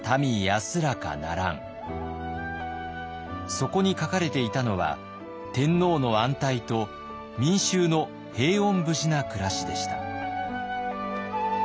そこに書かれていたのは天皇の安泰と民衆の平穏無事な暮らしでした。